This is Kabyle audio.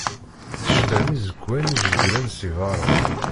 Tecbam iẓekkwan ijeggren si beṛṛa.